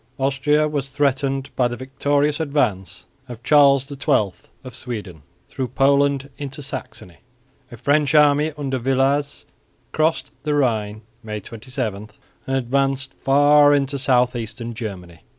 Austria was threatened by the victorious advance of Charles XII of Sweden through Poland into Saxony. A French army under Villars crossed the Rhine (May 27) and advanced far into south eastern Germany.